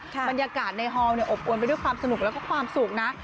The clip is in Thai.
บรรยากาศในฮอลอบอวนไปด้วยความสนุกแล้วก็ความสุขนะ